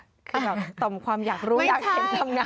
คือแบบต่อมความอยากรู้อยากเห็นตำนาน